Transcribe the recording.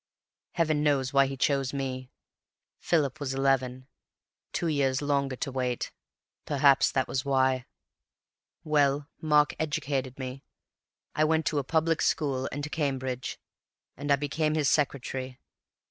Heaven knows why he chose me. Philip was eleven; two years longer to wait. Perhaps that was why. "Well, Mark educated me. I went to a public school and to Cambridge, and I became his secretary.